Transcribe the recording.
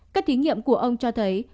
các thí nghiệm của ông cho thấy